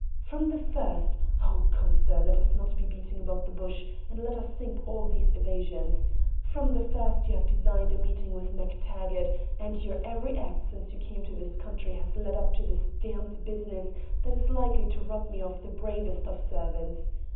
"From the first oh, come! sir, let us not be beating about the bush, and let us sink all these evasions from the first you have designed a meeting with MacTaggart, and your every act since you came to this country has led up to this damned business that is likely to rob me of the bravest of servants.